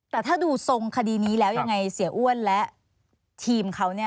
แต่ถ้าดูทรงคดีนี้แล้วยังไงเสียอ้วนและทีมเขา